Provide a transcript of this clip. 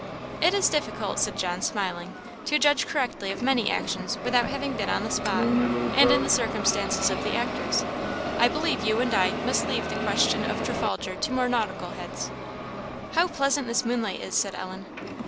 "It is difficult," said John, smiling, "to judge correctly of many actions without having been on the spot, and in the circumstances of the actors. I believe you and I must leave the question of Trafalgar to more nautical heads." "How pleasant this moonlight is!" said Ellen.